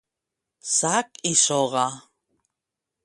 Sac i soga.